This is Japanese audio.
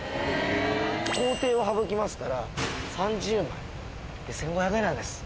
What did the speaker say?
工程を省きますから３０枚で１５００円なんです。